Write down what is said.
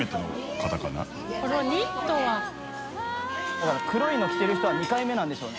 だから黒いの着てる人は２回目なんでしょうね。